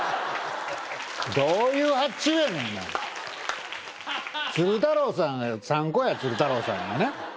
どういう発注やねん鶴太郎さんが３個や鶴太郎さんがね